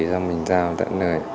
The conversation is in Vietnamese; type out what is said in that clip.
rồi mình giao tận nơi